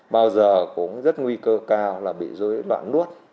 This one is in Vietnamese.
bao giờ cũng rất nguy cơ cao là bị dối loạn nuốt